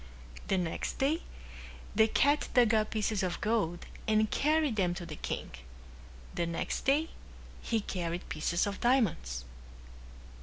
The next day the cat dug up pieces of gold and carried them to the king. The next day he carried pieces of diamonds.